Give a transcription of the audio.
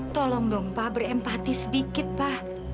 tolong dong pa berempati sedikit pa